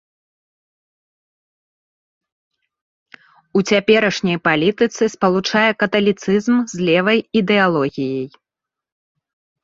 У цяперашняй палітыцы спалучае каталіцызм з левай ідэалогіяй.